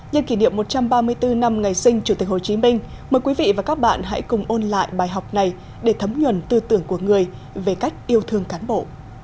nhân kỷ niệm một trăm ba mươi bốn năm ngày sinh chủ tịch hồ chí minh mời quý vị và các bạn hãy cùng ôn lại bài học này để thấm nhuần tư tưởng của người về cách yêu thương cán bộ